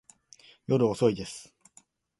夜遅いです。